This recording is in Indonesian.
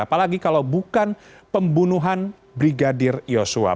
apalagi kalau bukan pembunuhan brigadir yosua